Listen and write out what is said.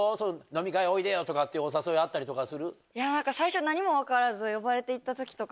飲み会おいでよとかっていうお誘いあったりとかする？